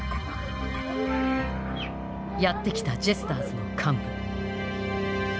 やって来たジェスターズの幹部。